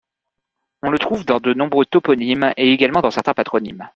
On le trouve dans de nombreux toponymes et également dans certains patronymes.